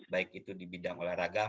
baik itu di bidang olahraga